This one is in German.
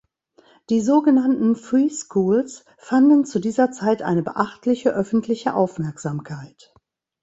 Die so genannten "Free Schools" fanden zu dieser Zeit eine beachtliche öffentliche Aufmerksamkeit.